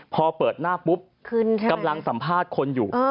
พอเปิดหน้าปุ๊บกำลังสัมภาษณ์คนอยู่